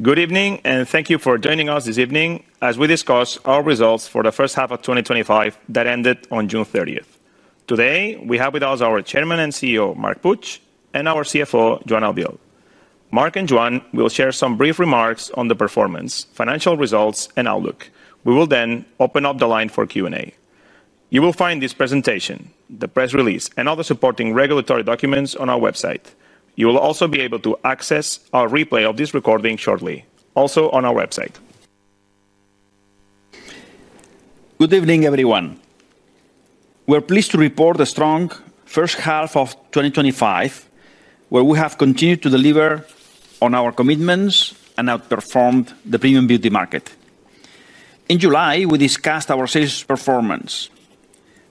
Good evening, and thank you for joining us this evening as we discuss our results for the first half of 2025 that ended on June 30th. Today, we have with us our Chairman and CEO, Marc Puig, and our CFO, Joan Albiol. Marc and Joan will share some brief remarks on the performance, financial results, and outlook. We will then open up the line for Q&A. You will find this presentation, the press release, and other supporting regulatory documents on our website. You will also be able to access our replay of this recording shortly, also on our website. Good evening, everyone. We're pleased to report a strong first half of 2025, where we have continued to deliver on our commitments and outperformed the premium beauty market. In July, we discussed our sales performance.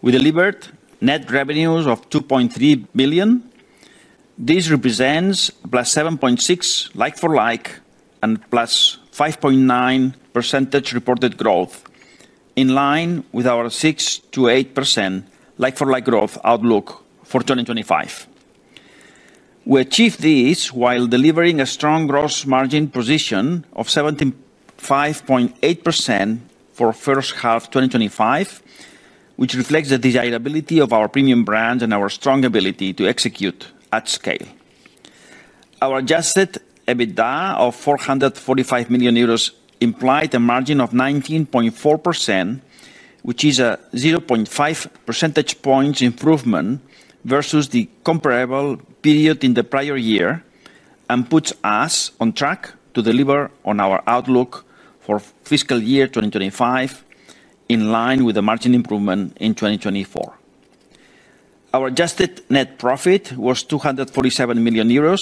We delivered net revenues of €2.3 billion. This represents a +7.6% like-for-like and +5.9% reported growth, in line with our 6% to 8% like-for-like growth outlook for 2025. We achieved this while delivering a strong gross margin position of 75.8% for the first half of 2025, which reflects the desirability of our premium brands and our strong ability to execute at scale. Our adjusted EBITDA of €445 million implied a margin of 19.4%, which is a 0.5 percentage point improvement versus the comparable period in the prior year, and puts us on track to deliver on our outlook for fiscal year 2025, in line with the margin improvement in 2024. Our adjusted net profit was €247 million, or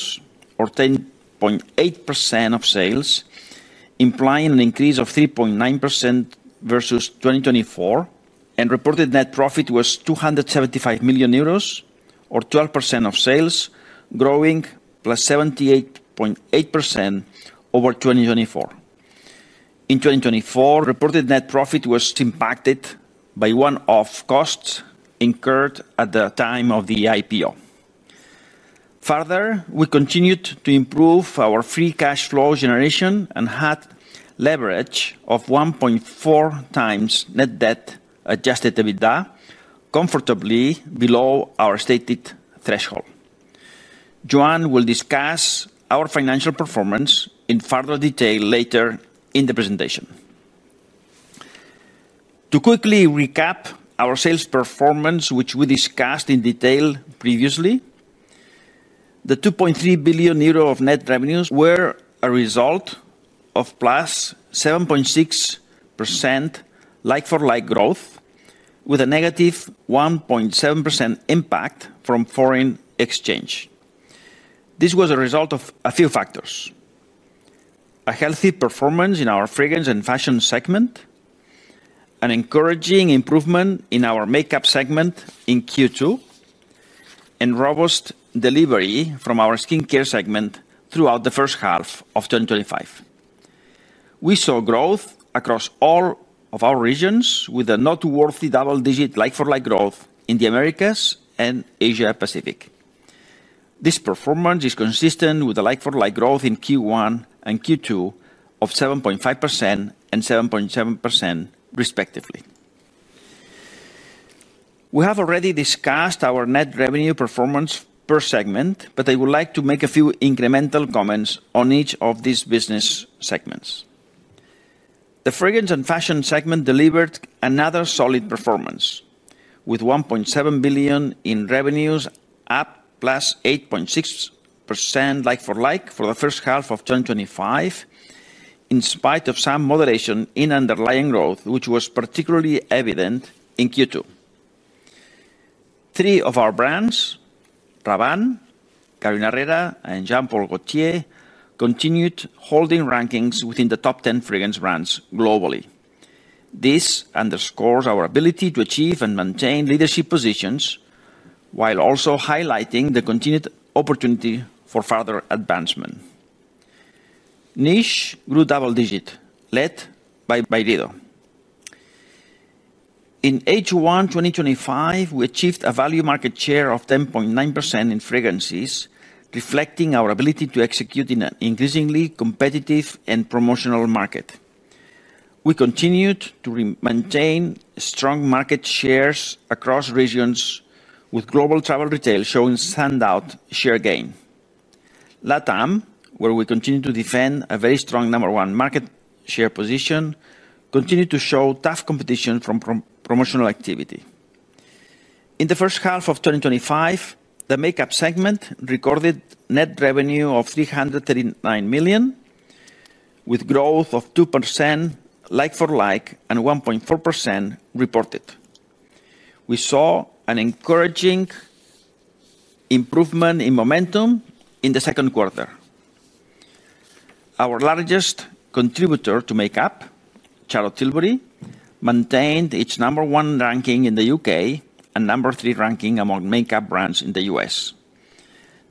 10.8% of sales, implying an increase of 3.9% versus 2024, and reported net profit was €275 million, or 12% of sales, growing +78.8% over 2024. In 2024, reported net profit was impacted by one-off costs incurred at the time of the IPO. Further, we continued to improve our free cash flow generation and had leverage of 1.4 times net debt adjusted EBITDA, comfortably below our stated threshold. Joan will discuss our financial performance in further detail later in the presentation. To quickly recap our sales performance, which we discussed in detail previously, the €2.3 billion of net revenues were a result of +7.6% like-for-like growth, with a negative 1.7% impact from foreign exchange. This was a result of a few factors: a healthy performance in our fragrance and fashion segment, an encouraging improvement in our makeup segment in Q2, and robust delivery from our skin care segment throughout the first half of 2025. We saw growth across all of our regions, with a noteworthy double-digit like-for-like growth in the Americas and Asia-Pacific. This performance is consistent with the like-for-like growth in Q1 and Q2 of 7.5% and 7.7%, respectively. We have already discussed our net revenue performance per segment, but I would like to make a few incremental comments on each of these business segments. The fragrance and fashion segment delivered another solid performance, with €1.7 billion in revenues up +8.6% like-for-like for the first half of 2025, in spite of some moderation in underlying growth, which was particularly evident in Q2. Three of our brands, Rabanne, Carolina Herrera, and Jean Paul Gaultier, continued holding rankings within the top-10 fragrance brands globally. This underscores our ability to achieve and maintain leadership positions, while also highlighting the continued opportunity for further advancement. Niche grew double-digit, led by Byredo. In H1 2025, we achieved a value market share of 10.9% in fragrances, reflecting our ability to execute in an increasingly competitive and promotional market. We continued to maintain strong market shares across regions, with global travel retail showing standout share gain. Latam, where we continue to defend a very strong No. 1 market share position, continued to show tough competition from promotional activity. In the first half of 2025, the makeup segment recorded net revenue of €339 million, with growth of 2% like-for-like and 1.4% reported. We saw an encouraging improvement in momentum in the second quarter. Our largest contributor to makeup, Charlotte Tilbury, maintained its No. 1 ranking in the UK and No. 3 ranking among makeup brands in the U.S.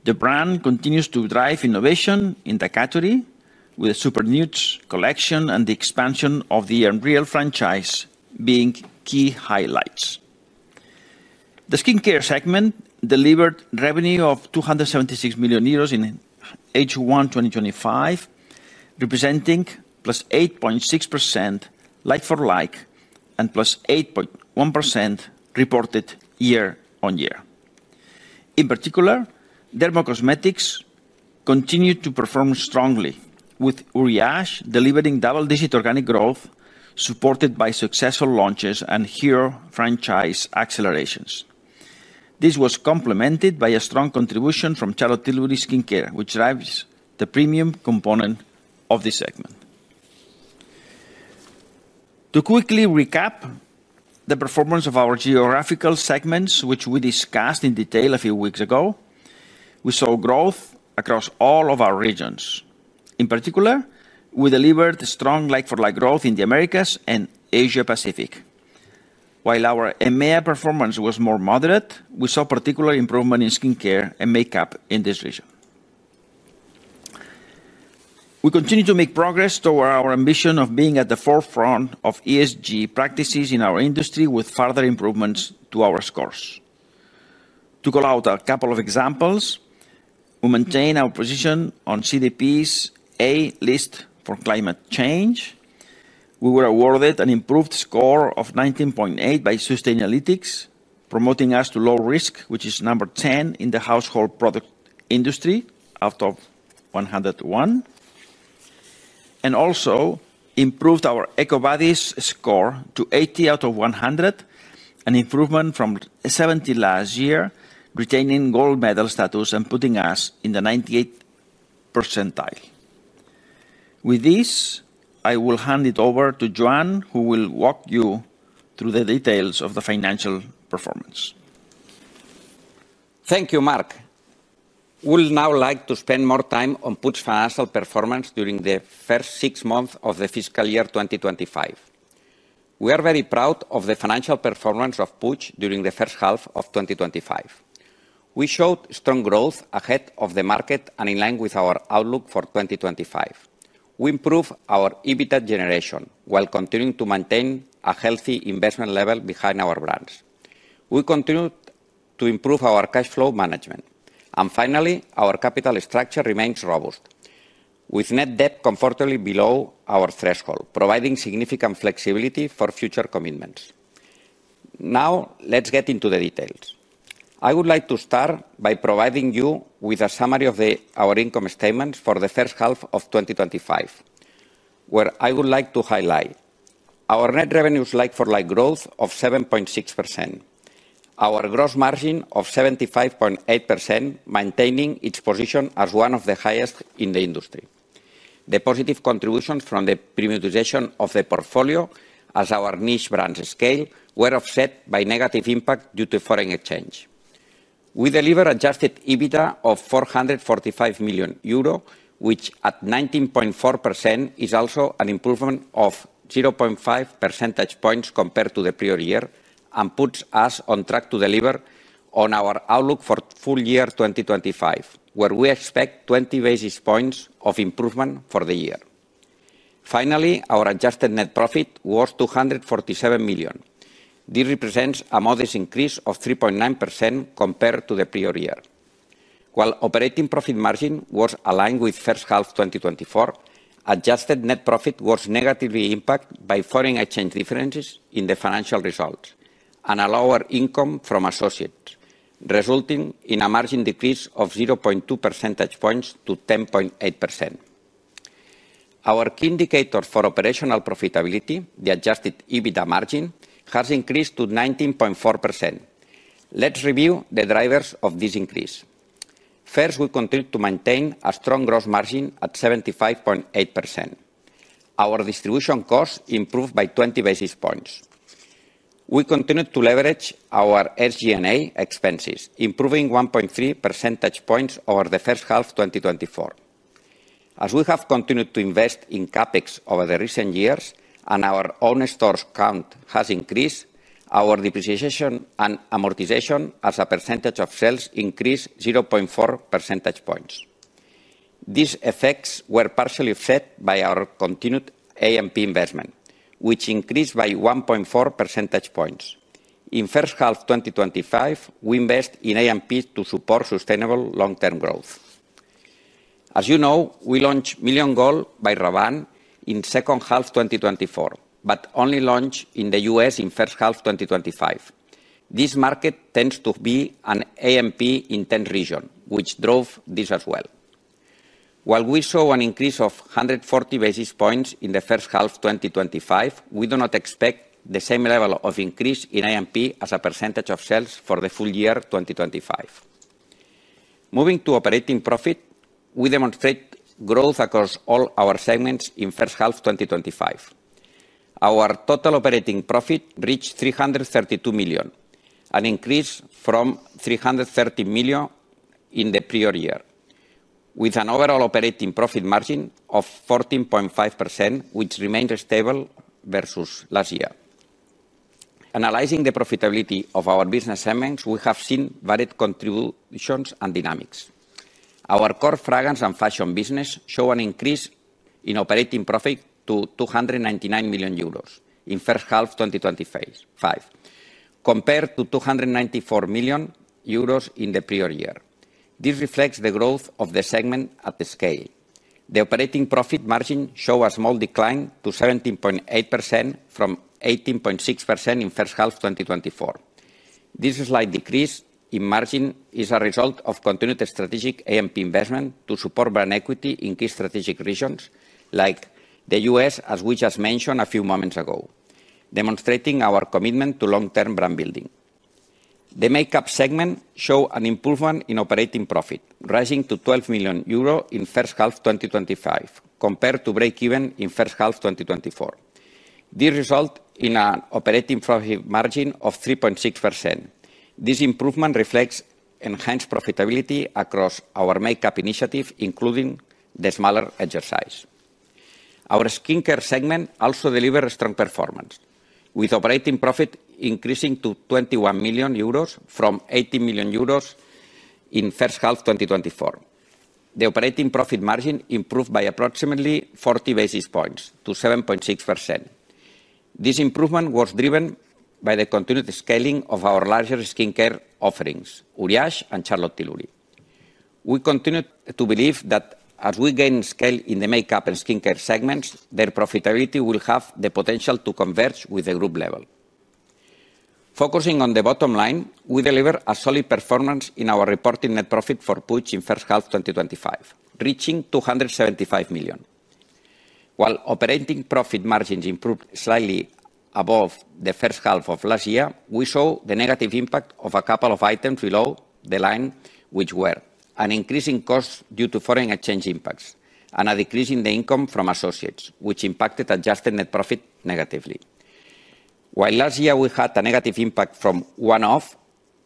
The brand continues to drive innovation in the category, with the Super Nudes collection and the expansion of the Unreal franchise being key highlights. The skincare segment delivered revenue of €276 million in H1 2025, representing +8.6% like-for-like and +8.1% reported year on year. In particular, dermacosmetics continued to perform strongly, with Uriage delivering double-digit organic growth, supported by successful launches and hero franchise accelerations. This was complemented by a strong contribution from Charlotte Tilbury Skincare, which drives the premium component of this segment. To quickly recap the performance of our geographical segments, which we discussed in detail a few weeks ago, we saw growth across all of our regions. In particular, we delivered strong like-for-like growth in the Americas and Asia-Pacific. While our EMEA performance was more moderate, we saw particular improvement in skincare and makeup in this region. We continue to make progress toward our ambition of being at the forefront of ESG practices in our industry, with further improvements to our scores. To call out a couple of examples, we maintain our position on CDP's A-list for climate change. We were awarded an improved score of 19.8 by Sustainalytics, promoting us to low risk, which is No. 10 in the household product industry, out of 101, and also improved our EcoVadis score to 80 out of 100, an improvement from 70 last year, retaining gold medal status and putting us in the 98th percentile. With this, I will hand it over to Joan, who will walk you through the details of the financial performance. Thank you, Marc. We'd now like to spend more time on Puig's financial performance during the first six months of the fiscal year 2025. We are very proud of the financial performance of Puig during the first half of 2025. We showed strong growth ahead of the market and in line with our outlook for 2025. We improved our EBITDA generation while continuing to maintain a healthy investment level behind our brands. We continued to improve our cash flow management. Finally, our capital structure remains robust, with net debt comfortably below our threshold, providing significant flexibility for future commitments. Now, let's get into the details. I would like to start by providing you with a summary of our income statements for the first half of 2025, where I would like to highlight our net revenues like-for-like growth of 7.6%, our gross margin of 75.8%, maintaining its position as one of the highest in the industry. The positive contributions from the premiumization of the portfolio, as our niche brands scale, were offset by negative impact due to foreign exchange. We delivered an adjusted EBITDA of €445 million, which at 19.4% is also an improvement of 0.5 percentage points compared to the prior year, and puts us on track to deliver on our outlook for full year 2025, where we expect 20 basis points of improvement for the year. Finally, our adjusted net profit was €247 million. This represents a modest increase of 3.9% compared to the prior year. While operating profit margin was aligned with first half 2024, adjusted net profit was negatively impacted by foreign exchange differences in the financial results and a lower income from associates, resulting in a margin decrease of 0.2 percentage points to 10.8%. Our key indicator for operational profitability, the adjusted EBITDA margin, has increased to 19.4%. Let's review the drivers of this increase. First, we continue to maintain a strong gross margin at 75.8%. Our distribution costs improved by 20 basis points. We continued to leverage our SG&A expenses, improving 1.3 percentage points over the first half of 2024. As we have continued to invest in CapEx over the recent years, and our own stores count has increased, our depreciation and amortization, as a percentage of sales, increased 0.4 percentage points. These effects were partially offset by our continued AMP investment, which increased by 1.4 percentage points. In first half 2025, we invest in AMP to support sustainable long-term growth. As you know, we launched Million Gold by Rabanne in second half 2024, but only launched in the U.S. in first half 2025. This market tends to be an AMP-intense region, which drove this as well. While we saw an increase of 140 basis points in the first half of 2025, we do not expect the same level of increase in AMP as a % of sales for the full year 2025. Moving to operating profit, we demonstrate growth across all our segments in first half 2025. Our total operating profit reached €332 million, an increase from €330 million in the prior year, with an overall operating profit margin of 14.5%, which remains stable versus last year. Analyzing the profitability of our business segments, we have seen varied contributions and dynamics. Our core fragrance and fashion business show an increase in operating profit to €299 million in first half 2025, compared to €294 million in the prior year. This reflects the growth of the segment at the scale. The operating profit margin showed a small decline to 17.8% from 18.6% in first half 2024. This slight decrease in margin is a result of continued strategic AMP investment to support brand equity in key strategic regions, like the U.S., as we just mentioned a few moments ago, demonstrating our commitment to long-term brand building. The makeup segment showed an improvement in operating profit, rising to €12 million in first half 2025, compared to break-even in first half 2024. This resulted in an operating profit margin of 3.6%. This improvement reflects enhanced profitability across our makeup initiative, including the smaller exercise. Our skincare segment also delivered a strong performance, with operating profit increasing to €21 million from €18 million in first half 2024. The operating profit margin improved by approximately 40 basis points to 7.6%. This improvement was driven by the continued scaling of our larger skincare offerings, Uriage and Charlotte Tilbury. We continue to believe that as we gain scale in the makeup and skincare segments, their profitability will have the potential to converge with the group level. Focusing on the bottom line, we delivered a solid performance in our reported net profit for Puig in first half 2025, reaching €275 million. While operating profit margins improved slightly above the first half of last year, we saw the negative impact of a couple of items below the line, which were an increase in costs due to foreign exchange impacts and a decrease in the income from associates, which impacted adjusted net profit negatively. While last year we had a negative impact from one-off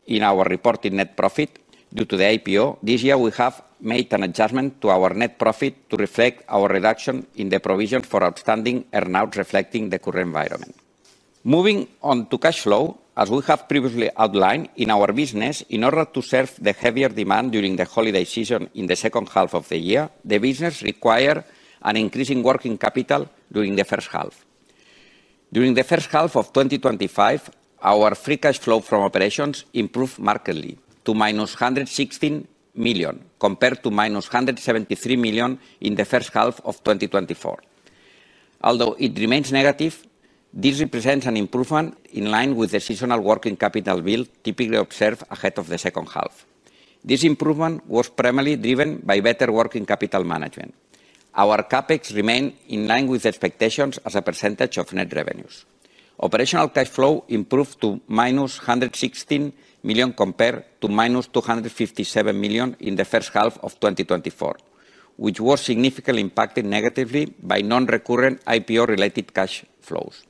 in our reported net profit due to the IPO, this year we have made an adjustment to our net profit to reflect our reduction in the provision for outstanding earnouts, reflecting the current environment. Moving on to cash flow, as we have previously outlined in our business, in order to serve the heavier demand during the holiday season in the second half of the year, the business required an increase in working capital during the first half. During the first half of 2025, our free cash flow from operations improved markedly to -€116 million, compared to -€173 million in the first half of 2024. Although it remains negative, this represents an improvement in line with the seasonal working capital bill typically observed ahead of the second half. This improvement was primarily driven by better working capital management. Our CapEx remained in line with expectations as a percentage of net revenues. Operational cash flow improved to -€116 million compared to -€257 million in the first half of 2024, which was significantly impacted negatively by non-recurrent IPO-related cash flows.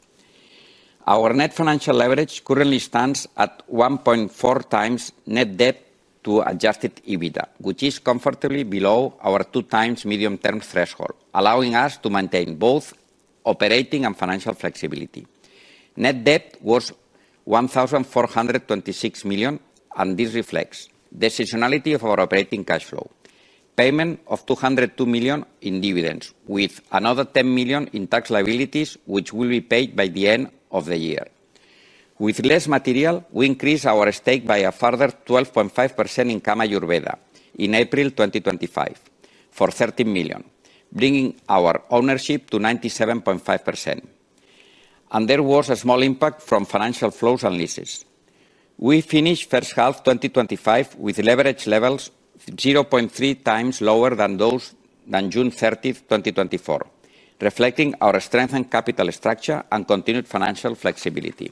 Our net financial leverage currently stands at 1.4 times net debt to adjusted EBITDA, which is comfortably below our 2 times medium-term threshold, allowing us to maintain both operating and financial flexibility. Net debt was €1,426 million, and this reflects the seasonality of our operating cash flow. Payment of €202 million in dividends, with another €10 million in tax liabilities, which will be paid by the end of the year. With less material, we increased our stake by a further 12.5% in Kama Ayurveda in April 2025 for €13 million, bringing our ownership to 97.5%. There was a small impact from financial flows and leases. We finished first half 2025 with leverage levels 0.3 times lower than those on June 30, 2024, reflecting our strengthened capital structure and continued financial flexibility.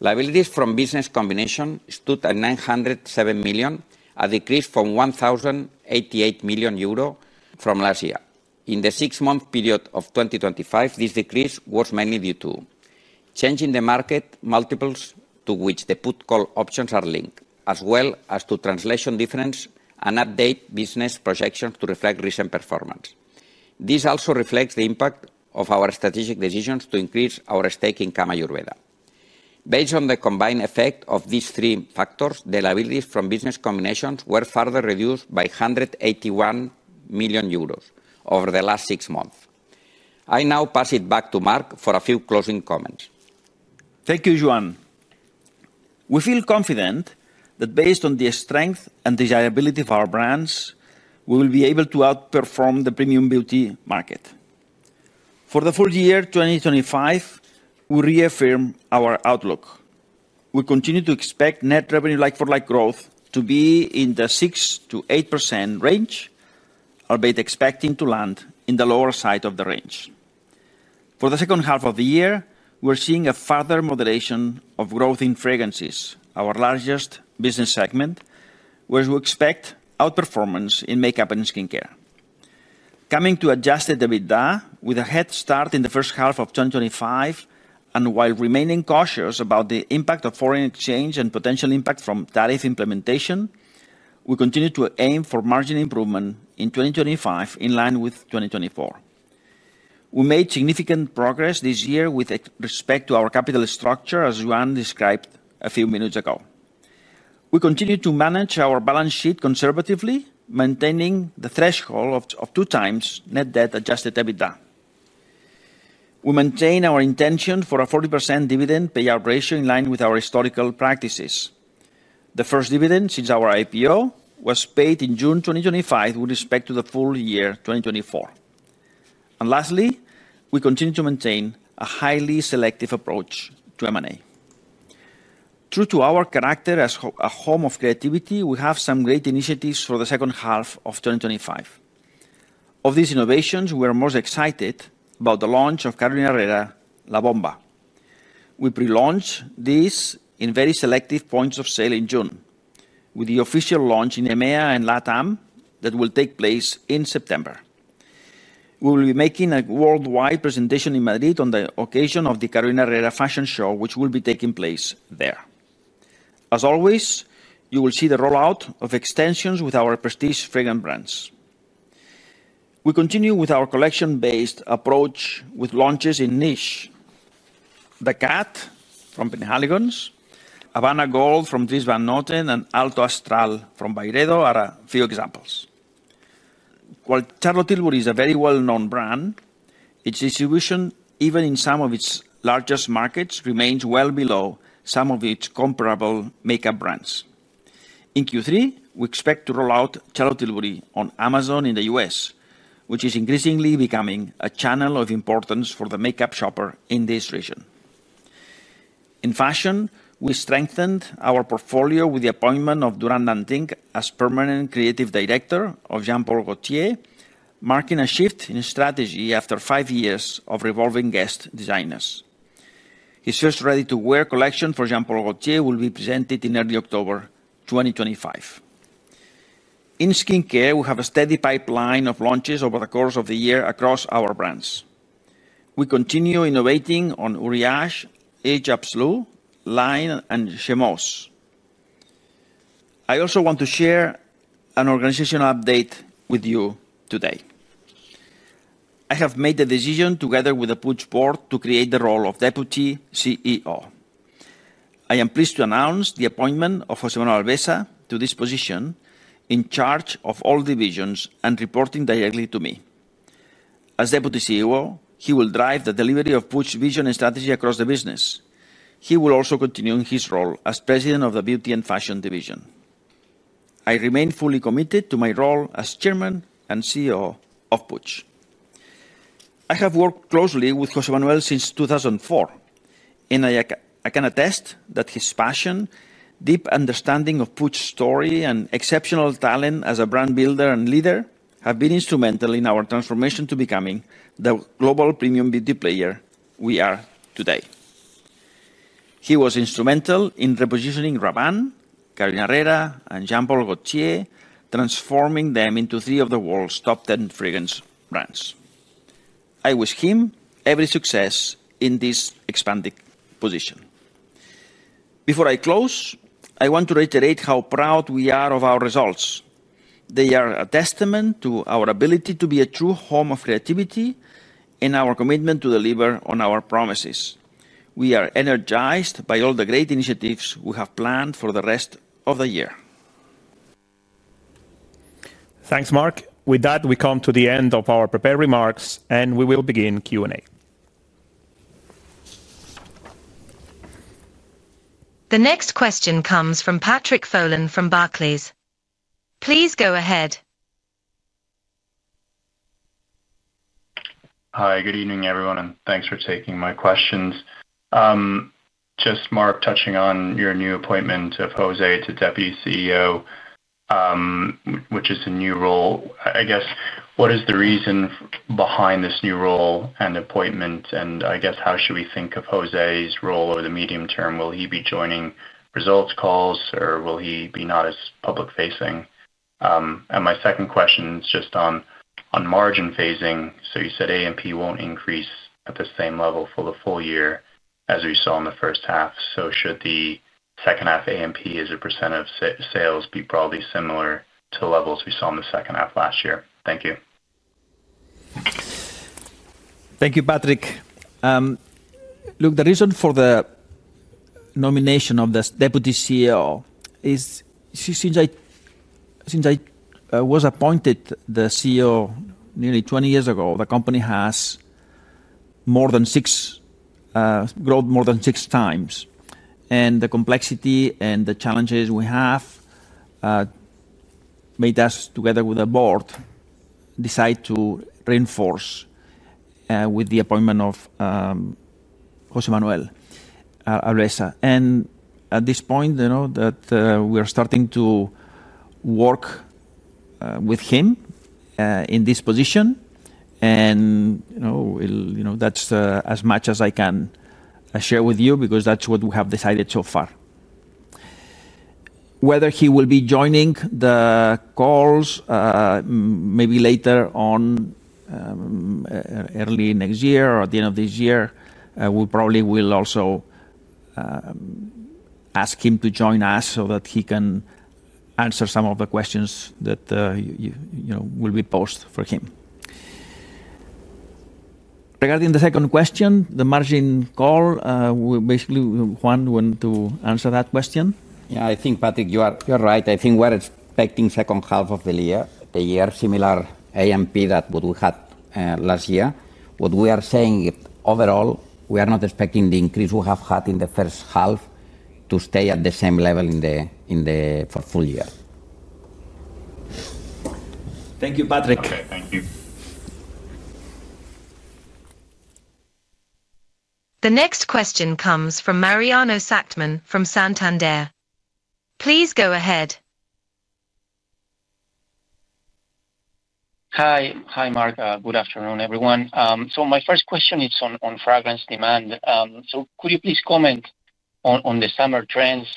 Liabilities from business combinations stood at €907 million, a decrease from €1,088 million from last year. In the six-month period of 2025, this decrease was mainly due to changing the market multiples, to which the put-call options are linked, as well as to translation difference and updated business projections to reflect recent performance. This also reflects the impact of our strategic decisions to increase our stake in Kama Ayurveda. Based on the combined effect of these three factors, the liabilities from business combinations were further reduced by €181 million over the last six months. I now pass it back to Marc for a few closing comments. Thank you, Joan. We feel confident that based on the strength and desirability of our brands, we will be able to outperform the premium beauty market. For the full year 2025, we reaffirm our outlook. We continue to expect net revenue like-for-like growth to be in the 6% to 8% range, albeit expecting to land in the lower side of the range. For the second half of the year, we're seeing a further moderation of growth in fragrances, our largest business segment, where we expect outperformance in makeup and skincare. Coming to adjusted EBITDA with a head start in the first half of 2025, and while remaining cautious about the impact of foreign exchange and potential impacts from tariff implementation, we continue to aim for margin improvement in 2025 in line with 2024. We made significant progress this year with respect to our capital structure, as Joan described a few minutes ago. We continue to manage our balance sheet conservatively, maintaining the threshold of two times net debt adjusted EBITDA. We maintain our intention for a 40% dividend payout ratio in line with our historical practices. The first dividend since our IPO was paid in June 2025 with respect to the full year 2024. Lastly, we continue to maintain a highly selective approach to M&A. True to our character as a home of creativity, we have some great initiatives for the second half of 2025. Of these innovations, we are most excited about the launch of Carolina Herrera La Bomba. We pre-launched this in very selective points of sale in June, with the official launch in EMEA and LATAM that will take place in September. We will be making a worldwide presentation in Madrid on the occasion of the Carolina Herrera Fashion Show, which will be taking place there. As always, you will see the rollout of extensions with our prestige fragrance brands. We continue with our collection-based approach with launches in niche. The Cat from Penhaligon's, Havana Gold from Dries Van Noten, and Alto Astral from Byredo are a few examples. While Charlotte Tilbury is a very well-known brand, its distribution, even in some of its largest markets, remains well below some of its comparable makeup brands. In Q3, we expect to roll out Charlotte Tilbury on Amazon in the U.S., which is increasingly becoming a channel of importance for the makeup shopper in this region. In fashion, we strengthened our portfolio with the appointment of Duran Lantink as permanent Creative Director of Jean Paul Gaultier, marking a shift in strategy after five years of revolving guest designers. His first ready-to-wear collection for Jean Paul Gaultier will be presented in early October 2025. In skin care, we have a steady pipeline of launches over the course of the year across our brands. We continue innovating on Uriage, H-Up Sève, Line, and Chemos. I also want to share an organizational update with you today. I have made the decision, together with the Puig board, to create the role of Deputy CEO. I am pleased to announce the appointment of José Manuel Alvesa to this position, in charge of all divisions and reporting directly to me. As Deputy CEO, he will drive the delivery of Puig's vision and strategy across the business. He will also continue in his role as President of the Beauty and Fashion Division. I remain fully committed to my role as Chairman and CEO of Puig. I have worked closely with José Manuel since 2004, and I can attest that his passion, deep understanding of Puig's story, and exceptional talent as a brand builder and leader have been instrumental in our transformation to becoming the global premium beauty player we are today. He was instrumental in repositioning Rabanne, Carolina Herrera, and Jean Paul Gaultier, transforming them into three of the world's top-10 fragrance brands. I wish him every success in this expanded position. Before I close, I want to reiterate how proud we are of our results. They are a testament to our ability to be a true home of creativity and our commitment to deliver on our promises. We are energized by all the great initiatives we have planned for the rest of the year. Thanks, Marc. With that, we come to the end of our prepared remarks, and we will begin Q&A. The next question comes from Patrick Fowland from Barclays. Please go ahead. Hi, good evening, everyone, and thanks for taking my questions. Just Marc, touching on your new appointment of José to Deputy CEO, which is a new role. I guess, what is the reason behind this new role and appointment? I guess, how should we think of José's role over the medium term? Will he be joining results calls, or will he be not as public-facing? My second question is just on margin phasing. You said AMP won't increase at the same level for the full year as we saw in the first half. Should the second half AMP as a % of sales be broadly similar to levels we saw in the second half last year? Thank you. Thank you, Patrick. Look, the reason for the nomination of the Deputy CEO is since I was appointed the CEO nearly 20 years ago, the company has grown more than six times. The complexity and the challenges we have made us, together with the board, decide to reinforce with the appointment of José Manuel Alvesa. At this point, you know that we are starting to work with him in this position. You know that's as much as I can share with you because that's what we have decided so far. Whether he will be joining the calls maybe later on early next year or at the end of this year, we probably will also ask him to join us so that he can answer some of the questions that will be posed for him. Regarding the second question, the margin call, basically, Joan wanted to answer that question. Yeah, I think, Patrick, you are right. I think we're expecting the second half of the year similar AMP that we had last year. What we are saying is, overall, we are not expecting the increase we have had in the first half to stay at the same level for the full year. Thank you, Patrick. Thank you. The next question comes from Mariano Sackman from Santander. Please go ahead. Hi, Marc. Good afternoon, everyone. My first question is on fragrance demand. Could you please comment on the summer trends?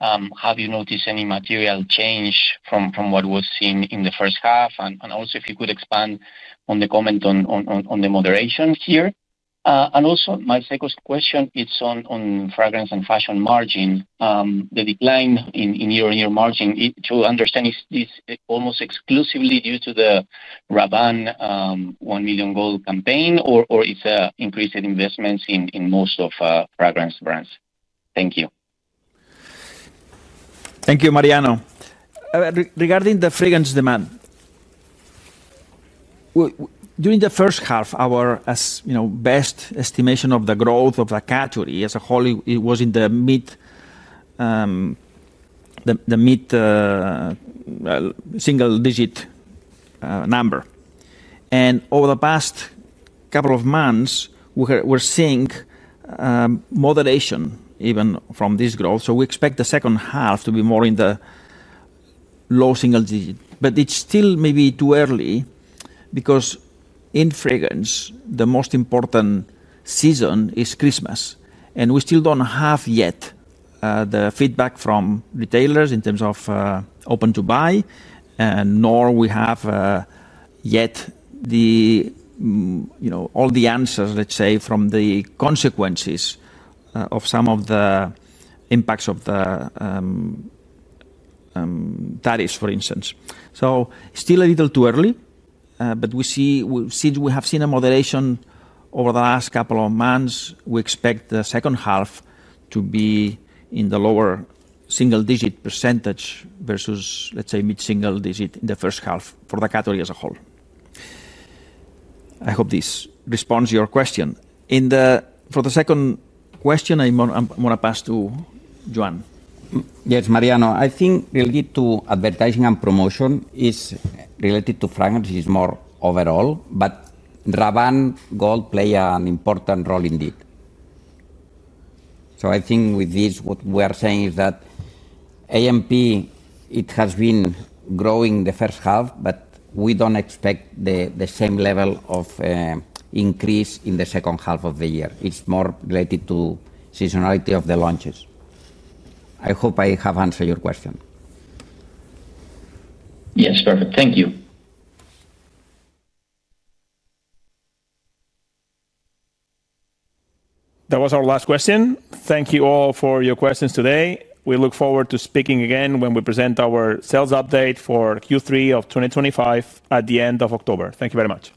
Have you noticed any material change from what was seen in the first half? If you could expand on the comment on the moderation here, that would be helpful. My second question is on fragrance and fashion margin. The decline in year-on-year margin, to understand, is this almost exclusively due to the Rabanne Million Gold campaign, or is it increased investments in most of the fragrance brands? Thank you. Thank you, Mariano. Regarding the fragrance demand, during the first half, our best estimation of the growth of the category as a whole, it was in the mid-single-digit number. Over the past couple of months, we're seeing moderation even from this growth. We expect the second half to be more in the low single digit. It's still maybe too early because in fragrance, the most important season is Christmas. We still don't have yet the feedback from retailers in terms of open to buy, nor do we have yet all the answers, let's say, from the consequences of some of the impacts of the tariffs, for instance. It's still a little too early. Since we have seen a moderation over the last couple of months, we expect the second half to be in the lower single-digit % versus, let's say, mid-single digit in the first half for the category as a whole. I hope this responds to your question. For the second question, I'm going to pass to Joan. Yes, Mariano. I think related to advertising and promotion, it is related to fragrances more overall. Rabanne Gold plays an important role indeed. With this, what we are saying is that AMP has been growing in the first half, but we don't expect the same level of increase in the second half of the year. It's more related to the seasonality of the launches. I hope I have answered your question. Yes, perfect. Thank you. That was our last question. Thank you all for your questions today. We look forward to speaking again when we present our sales update for Q3 of 2025 at the end of October. Thank you very much.